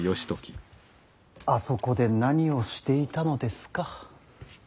あそこで何をしていたのですか。